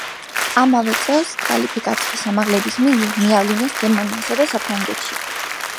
ამავე წელს კვალიფიკაციის ამაღლების მიზნით მიავლინეს გერმანიასა და საფრანგეთში.